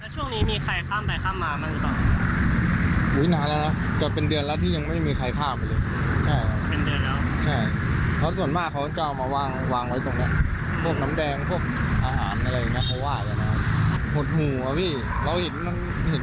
ที่พิจารณีผ่านตัวที่ไม่ใหญ่เห็นผลโตอยู่แค่นี้